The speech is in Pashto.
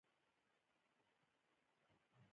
سلای فاکس هڅه کوله چې اغزي وباسي او منډې یې وهلې